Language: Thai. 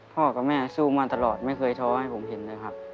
พ่อกับแม่สู้มาตลอดไม่เคยท้อให้ผมเห็นเลยครับ